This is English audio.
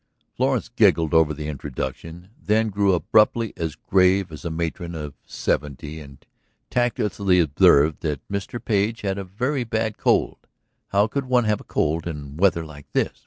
Florence giggled over the introduction, then grew abruptly as grave as a matron of seventy and tactlessly observed that Mr. Page had a very bad cold; how could one have a cold in weather like this?